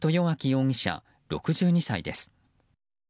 容疑者、６２歳です。